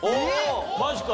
マジか！